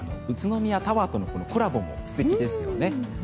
宇都宮タワーとのコラボも素敵ですよね。